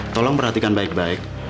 tolong perhatikan baik baik